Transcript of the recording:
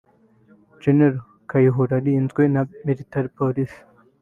Gen Kayihura arinzwe na militari polisi